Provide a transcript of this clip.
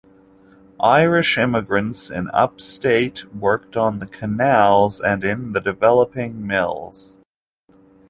Irish immigrants in upstate worked on the canals and in the developing mills.